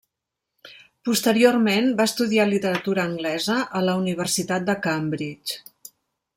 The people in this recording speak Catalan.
Posteriorment, va estudiar literatura anglesa a la Universitat de Cambridge.